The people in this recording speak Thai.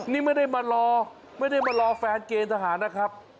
นี่ไม่ได้มารอไม่ได้มารอแฟนเกณฑ์ทหารนะครับ